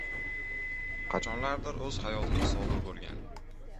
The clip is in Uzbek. qachonlardir o‘z hayotida sodir bo‘lgan